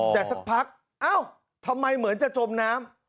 แต่สักพักเอ้าทำไมเหมือนจะจมน้ำ